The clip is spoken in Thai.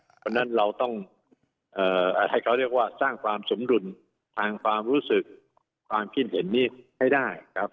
เพราะฉะนั้นเราต้องให้เขาเรียกว่าสร้างความสมดุลทางความรู้สึกความคิดเห็นนี้ให้ได้ครับ